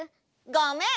ごめん！